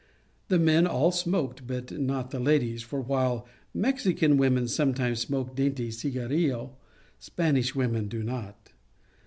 The men all smoked, but not the ladies, for while the Mexican women sometimes smoke a dainty cigarrillo, Spanish women do not.